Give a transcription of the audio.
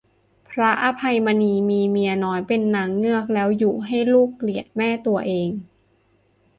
พระอภัยมณี มีเมียน้อยเป็นนางเงือก แล้วยุให้ลูกเกลียดแม่ตัวเอง